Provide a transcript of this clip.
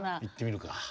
いってみるか。